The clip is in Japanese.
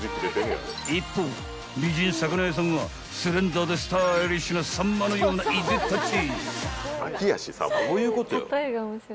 ［一方美人魚屋さんはスレンダーでスタイリッシュなサンマのようないでたち］